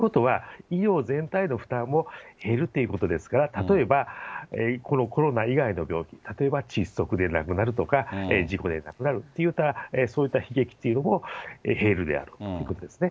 ということは、医療全体への負担も減るということですから、例えばこのコロナ以外の病気、例えば窒息で亡くなるとか、事故で亡くなるという、そういった悲劇というのも減るであるということですね。